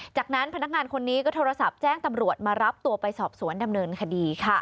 จากนั้นพนักงานคนนี้ก็โทรศัพท์แจ้งตำรวจมารับตัวไปสอบสวนดำเนินคดีค่ะ